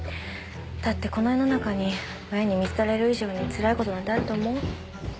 だってこの世の中に親に見捨てられる以上につらい事なんてあると思う？